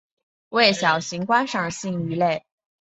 为小型观赏性鱼类。